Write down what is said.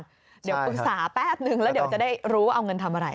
เดี๋ยวปรึกษาแป๊บนึงแล้วเดี๋ยวจะได้รู้ว่าเอาเงินทำอะไร